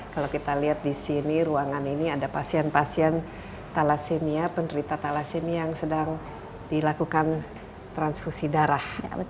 kalau kita lihat di sini ruangan ini ada pasien pasien thalassemia penderita thalassemia yang sedang dilakukan transfusi darah